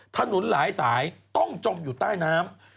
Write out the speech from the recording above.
ถนนหลายสายต้องจมอยู่ใต้น้ำ